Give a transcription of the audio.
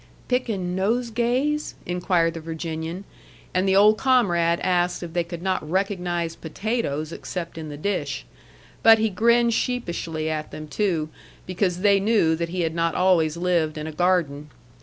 "Pickin' nosegays?" inquired the Virginian and the old comrade asked if they could not recognize potatoes except in the dish. But he grinned sheepishly at them, too, because they knew that he had not always lived in a garden.